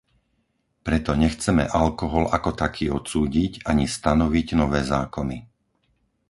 Preto nechceme alkohol ako taký odsúdiť, ani stanoviť nové zákony.